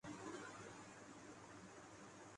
ایسا کرے گا۔